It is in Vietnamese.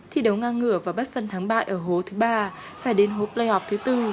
thi đấu ngang ngửa và bất phân thắng bại ở hố thứ ba phải đến hố play off thứ bốn